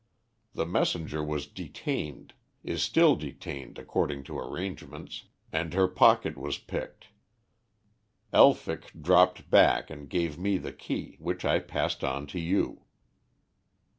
The messenger was detained, is still detained according to arrangements, and her pocket was picked. Elphick dropped back and gave me the key, which I passed on to you."